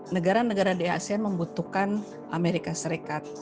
negara negara di asean membutuhkan amerika serikat